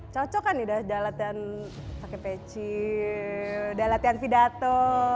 cocok kan udah jalan pakai peci udah latihan pidato